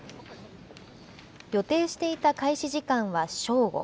予定していた開始時間は正午。